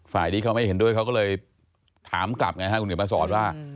ฝ่ายที่เข็วไม่เห็นด้วยเขาก็เลยถามกลับไงครับคุณเนียบพระศาลว่า